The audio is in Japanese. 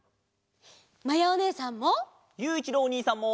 まやおねえさんも！